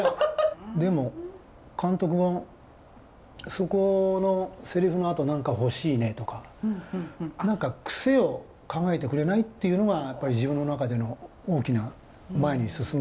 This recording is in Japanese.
でも監督が「そこのセリフのあと何か欲しいね」とか「何かクセを考えてくれない？」っていうのがやっぱり自分の中での大きな前に進む原動力にはなりましたね。